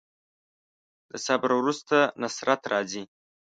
د صبر وروسته نصرت راځي.